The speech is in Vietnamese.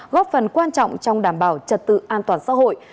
góp phần quan trọng trong đảm bảo trật tự an toàn xã hội